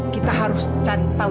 kita harus cari tahu